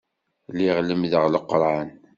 Lliɣ lemmdeɣ Leqran.